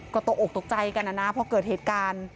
ก็ตกอกตกใจกันนะนะพอเกิดเหตุการณ์